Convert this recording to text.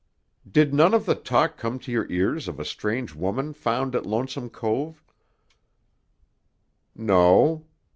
"Did none of the talk come to your ears of a strange woman found at Lonesome Cove?" "No.